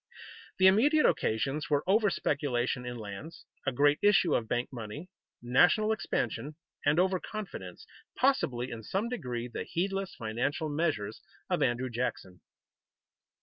The immediate occasions were over speculation in lands, a great issue of bank money, national expansion, and over confidence, possibly in some degree the heedless financial measures of Andrew Jackson.